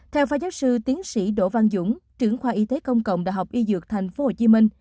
theo phát giáo sư tiến sĩ đỗ văn dũng trưởng khoa y tế công cộng đh y dược tp hcm